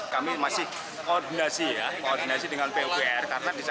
kami masih koordinasi ya koordinasi dengan pupr